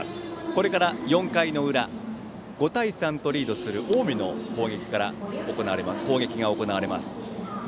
これから４回の裏５対３とリードする近江から攻撃が行われます。